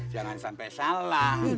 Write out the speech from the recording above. jangan sampai salah